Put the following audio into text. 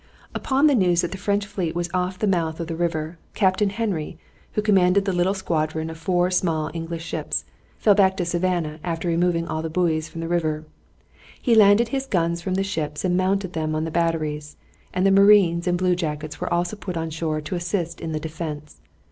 Upon the news that the French fleet was off the mouth of the river, Captain Henry, who commanded the little squadron of four small English ships, fell back to Savannah after removing all the buoys from the river. He landed his guns from the ships and mounted them on the batteries, and the marines and blue jackets were also put on shore to assist in the defense.